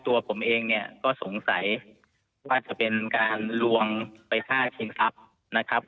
ตัวผมเองเนี่ยก็สงสัยว่าจะเป็นการลวงไปฆ่าชิงทรัพย์นะครับ